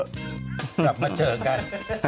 กลับมาเจอกัน